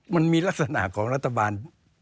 มันมีลักษณะของรัฐบาล